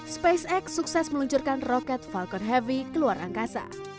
spacex sukses meluncurkan roket falcon heavy keluar angkasa